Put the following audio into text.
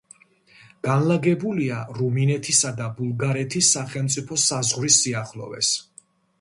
განლაგებულია რუმინეთისა და ბულგარეთის სახელმწიფო საზღვრის სიახლოვეს.